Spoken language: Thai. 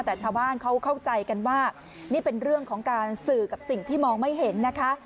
แต่ชาวบ้านเขาเข้าใจกันว่านี่เป็นเรื่องของการสื่อกับสิ่งที่มองไม่เห็นนะคะ